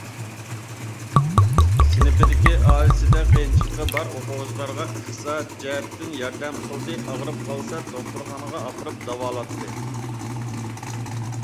سىنىپىدىكى ئائىلىسىدە قىيىنچىلىقى بار ئوقۇغۇچىلارغا ئىقتىسادىي جەھەتتىن ياردەم قىلدى، ئاغرىپ قالسا، دوختۇرخانىغا ئاپىرىپ داۋالاتتى.